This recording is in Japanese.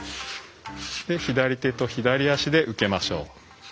左手と左足で受けましょう。